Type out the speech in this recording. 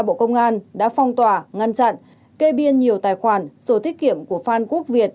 bộ công an đã phong tỏa ngăn chặn kê biên nhiều tài khoản số thiết kiểm của phan quốc việt